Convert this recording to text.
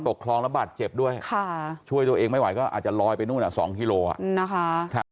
คลองแล้วบาดเจ็บด้วยช่วยตัวเองไม่ไหวก็อาจจะลอยไปนู่น๒กิโลนะคะ